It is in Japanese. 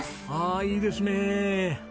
ああいいですね。